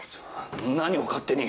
何を勝手に！